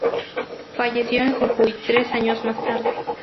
Falleció en Jujuy tres años más tarde.